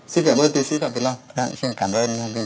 xin cảm ơn tiến sĩ đặng vĩ lâm